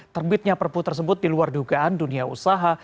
terbitnya perpu tersebut diluar dugaan dunia usaha